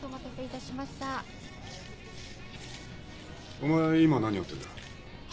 お前今何やってるんだ？